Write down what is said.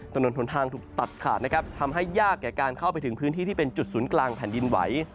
ถนนผลทางถูกตัดขาดนะครับทำให้ยากแก่การเข้าไปถึงพื้นที่ที่เป็นจุดศูนย์กลางแผ่นดินไหว